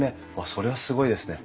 それはすごいですね。